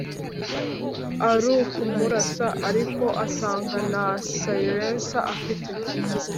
arukumurasa ariko asanga nta silenca afite.